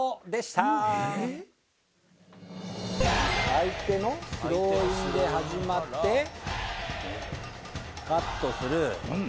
相手のスローインで始まってカットする。